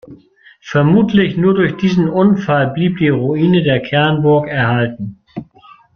Vermutlich nur durch diesen Unfall blieb die Ruine der Kernburg erhalten.